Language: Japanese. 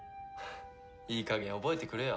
いい加減覚えてくれよ。